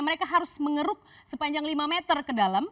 mereka harus mengeruk sepanjang lima meter ke dalam